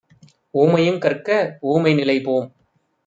ஊமையுங் கற்க ஊமை நிலைபோம்!